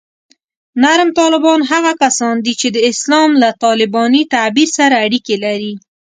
نرم طالبان هغه کسان دي چې د اسلام له طالباني تعبیر سره اړیکې لري